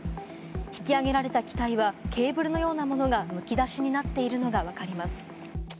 引き揚げられた機体はケーブルのようなものがむき出しになっているのがわかります。